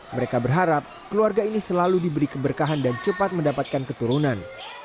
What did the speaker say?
mereka berharap keluarga ini selalu diberi keberkahan dan cepat mendapatkan keturunan